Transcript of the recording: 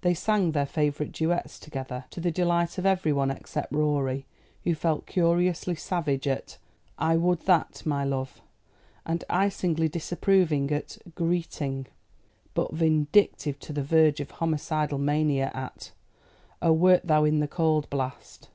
They sang their favourite duets together, to the delight of everyone except Rorie, who felt curiously savage at "I would that my love," and icily disapproving at "Greeting;" but vindictive to the verge of homicidal mania at "Oh, wert thou in the cauld blast!"